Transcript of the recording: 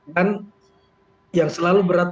dan yang selalu berat